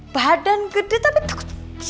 badan gede tapi takut